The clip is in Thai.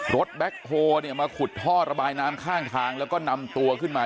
แบ็คโฮเนี่ยมาขุดท่อระบายน้ำข้างทางแล้วก็นำตัวขึ้นมา